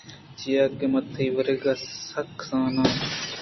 چیاکہ من تئی وَرَگءَ سکّ کساناں